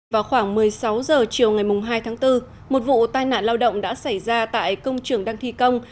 vào khoảng một mươi sáu h chiều ngày hai tháng bốn một vụ tai nạn lao động đã xảy ra tại công trường đang thi công